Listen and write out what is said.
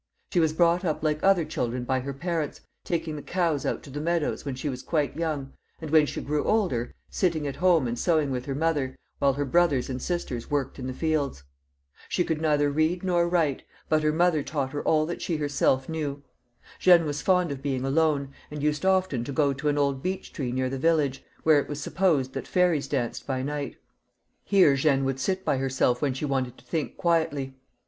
She was brought up like other children by her parents, taking the cows out to the meadows when she was quite young, and when she grew older, sitting at home and sewing with her mother, while her brothers and sisters worked in the fields. She could neither read nor write, but her mother taught her all that she herself knew. Jeanne was fond of being alone, and used often to go to an old beech tree near the village, where it was supposed that fairies danced by night Here Jeanne would sit by herself when she wanted to think quietly.